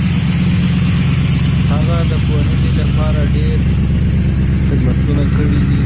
هغه د پوهنې لپاره ډېر خدمتونه کړي دي.